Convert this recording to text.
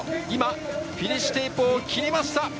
今、フィニッシュテープを切りました。